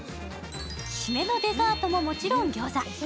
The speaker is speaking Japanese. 締めのデザートももちろんギョーザ。